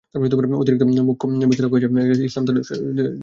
অতিরিক্ত মুখ্য বিচারিক হাকিম শফিকুল ইসলাম তাঁর চার দিনের রিমান্ড মঞ্জুর করেন।